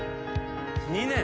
２年。